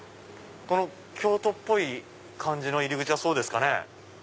この京都っぽい感じの入り口がそうですかね？